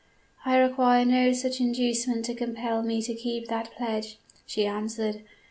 "'I require no such inducement to compel me to keep that pledge,' she answered.